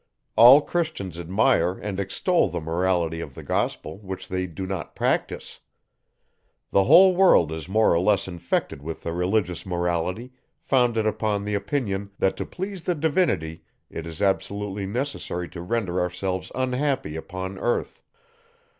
All Christians admire and extol the Morality of the gospel; which they do not practise. The whole world is more or less infected with a Religious morality, founded upon the opinion, that to please the Divinity, it is absolutely necessary to render ourselves unhappy upon earth.